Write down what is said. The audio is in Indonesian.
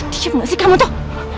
diam gak sih kamu tuh